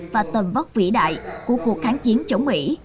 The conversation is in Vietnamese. và tầm vóc vĩ đại của cuộc kháng chiến chống mỹ